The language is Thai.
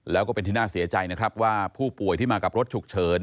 แล้วก็เป็นที่น่าเสียใจนะครับว่าผู้ป่วยที่มากับรถฉุกเฉิน